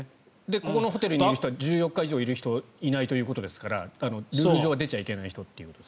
ここのホテルにいる人は１４日以上いる人はいないということですからルール上は出ちゃいけない人という。